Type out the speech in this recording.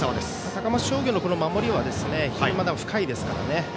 高松商業の守りは非常に深いですからね。